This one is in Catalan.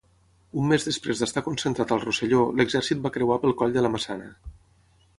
Un mes després d'estar concentrat al Rosselló, l'exèrcit va creuar pel Coll de la Maçana.